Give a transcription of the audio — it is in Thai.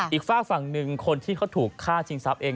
ฝากฝั่งหนึ่งคนที่เขาถูกฆ่าชิงทรัพย์เอง